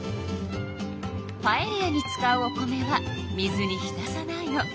パエリアに使うお米は水に浸さないの。